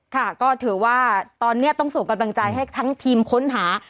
ค่ะก็ถือว่าตอนนี้ต้องส่งกำลังใจให้ทั้งทีมค้นหา